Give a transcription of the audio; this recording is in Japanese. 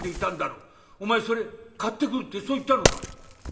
お前それ買ってくるってそう言ったのか？